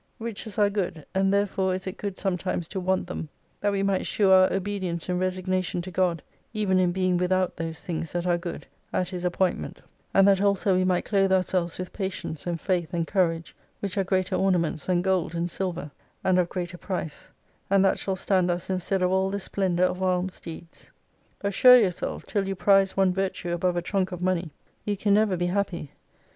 Riches are good, and therefore is it good sometimes to want them that we might shew our 309 obedience and resignation to God, even in being without those things that are good, at His appointment : and that also we might clothe ourselves with patience and ^ faith and courage, which are greater ornaments than gold and silver, and of greater price: and that shall stand us instead of all the splendour of alms deeds. Assure yourself, till you prize one virtue above a trunk of money you can never be happy.